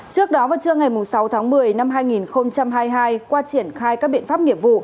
trước đó vào trưa ngày sáu tháng một mươi năm hai nghìn hai mươi hai qua triển khai các biện pháp nghiệp vụ